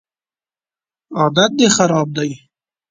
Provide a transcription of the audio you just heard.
عادت دي خراب دی